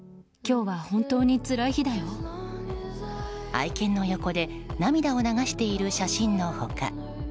愛犬の横で涙を流している写真の他